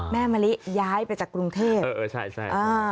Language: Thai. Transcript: แม่มะลิย้ายไปจากกรุงเทพ